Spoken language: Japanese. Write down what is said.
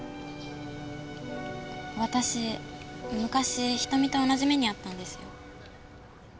私昔瞳と同じ目に遭ったんですよ。